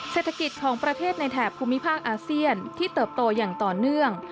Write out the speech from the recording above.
เศรษฐกิจของประเทศในแถบภูมิภาคอาเซียนที่เติบโตอย่างต่อเนื่อง